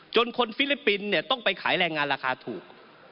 คนฟิลิปปินส์ต้องไปขายแรงงานราคาถูก